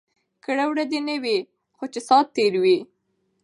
ګړد وړه دی نه وي، خو چې سات تیر وي.